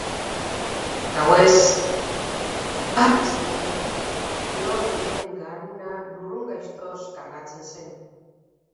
Gauez, batez ere, Florenten garuna lurrun gaiztoz kargatzen zen.